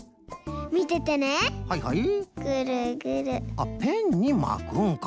あっペンにまくんか。